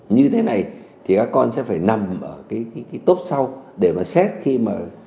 như thế này thì các con sẽ phải nằm ở cái tốp sau để mà xét khi mà